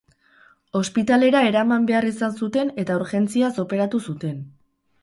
Ospitalera eraman behar izan zuten eta urgentziaz operatu zuten.